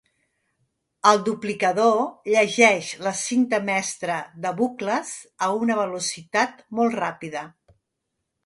El duplicador llegeix la cinta mestra de bucles a una velocitat molt ràpida.